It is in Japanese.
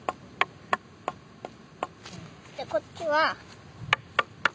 でこっちは。